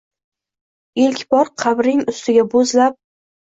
Ilk bor qabring ustiga boʻzlab